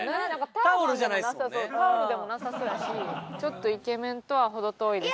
タオルでもなさそうやしちょっとイケメンとは程遠いですけど。